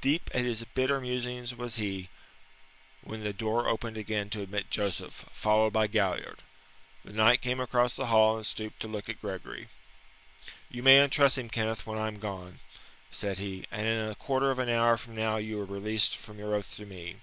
Deep at his bitter musings was he when the door opened again to admit Joseph, followed by Galliard. The knight came across the hall and stooped to look at Gregory. "You may untruss him, Kenneth, when I am gone," said he. "And in a quarter of an hour from now you are released from your oath to me.